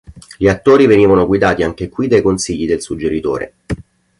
Gli attori venivano guidati anche qui dai consigli del suggeritore.